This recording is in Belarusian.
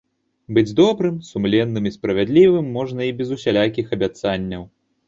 Быць добрым, сумленным і справядлівым можна і без усялякіх абяцанняў.